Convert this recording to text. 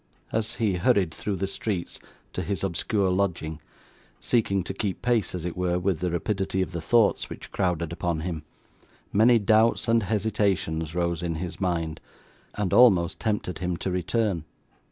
As he hurried through the streets to his obscure lodging, seeking to keep pace, as it were, with the rapidity of the thoughts which crowded upon him, many doubts and hesitations arose in his mind, and almost tempted him to return.